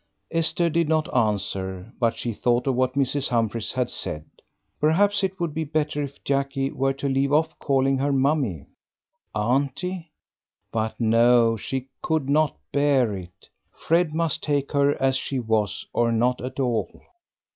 Esther did not answer, but she thought of what Mrs. Humphries had said. Perhaps it would be better if Jackie were to leave off calling her Mummie. Auntie! But no, she could not bear it. Fred must take her as she was or not at all.